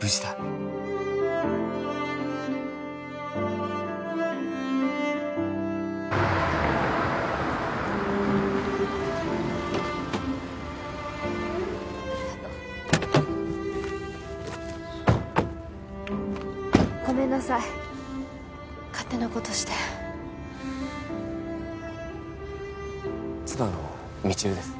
無事だありがとうごめんなさい勝手なことして妻の未知留です